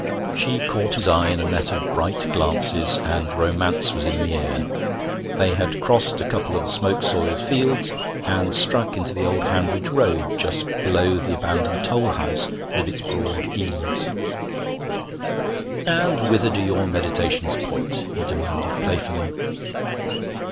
She caught his eye in a net of bright glances, and romance was in the air. They had crossed a couple of smoke soiled fields, and struck into the old Hanbridge road just below the abandoned toll house with its broad eaves. 'And whither do your meditations point?' he demanded playfully.